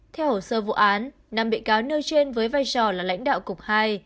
theo hồ sơ vụ án năm bị cáo nêu trên với vai trò là lãnh đạo cục hai